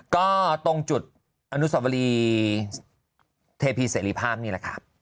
ก็ตรงจุดอนุสวรีเทพีเสรีภาพนี่แหละค่ะ